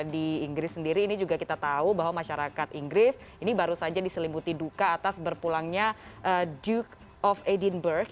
di inggris sendiri ini juga kita tahu bahwa masyarakat inggris ini baru saja diselimuti duka atas berpulangnya duke of edinburgh